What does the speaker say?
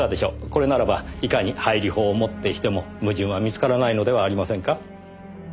これならばいかに背理法をもってしても矛盾は見つからないのではありませんか？